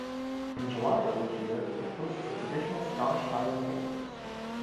In July of each year it hosts a traditional Scottish Highland Games.